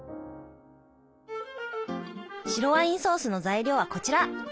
白ワインソースの材料はこちら！